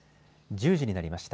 １０時になりました。